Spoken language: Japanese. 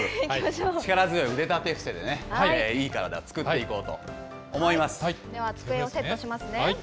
力強い腕立て伏せでね、いい体をでは机をセットしますね。